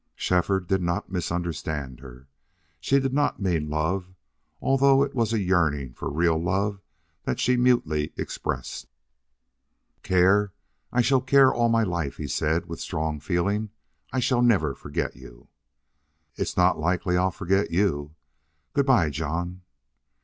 Shefford did not misunderstand her. She did not mean love, although it was a yearning for real love that she mutely expressed. "Care! I shall care all my life," he said, with strong feeling. "I shall never forget you." "It's not likely I'll forget you.... Good by, John!"